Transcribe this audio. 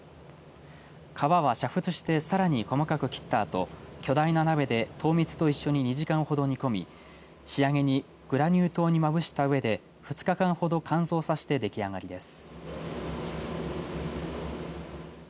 皮は煮沸してさらに細かく切ったあと巨大な鍋で糖蜜と一緒に２時間ほど煮込み仕上げにグラニュー糖にまぶしたうえで２日間ほど乾燥させて出来上がりです。